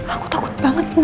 aku takut banget ma